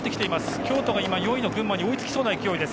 京都が４位の群馬に追いつきそうな勢いです。